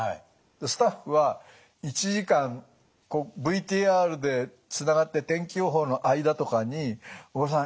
スタッフは１時間ＶＴＲでつながって天気予報の間とかに「小倉さん